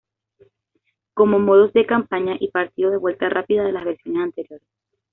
Como modos de campaña y partido de vuelta rápida de las versiones anteriores.